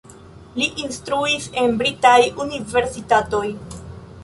Li instruis en britaj universitatoj.